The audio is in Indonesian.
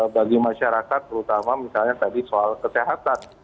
bagi masyarakat terutama misalnya tadi soal kesehatan